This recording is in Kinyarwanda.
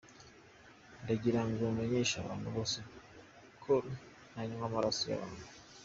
Ndagira ngo menyeshe abantu bose nko ntanywa amaraso y’abantu”.